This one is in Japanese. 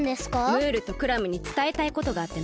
ムールとクラムにつたえたいことがあってな。